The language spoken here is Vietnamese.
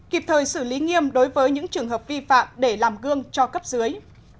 kịp thời xử lý nghiêm đối với những trường hợp vi phạm để làm gương cho cấp dưới